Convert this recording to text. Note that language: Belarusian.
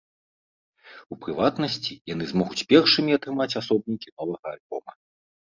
У прыватнасці, яны змогуць першымі атрымаць асобнікі новага альбома.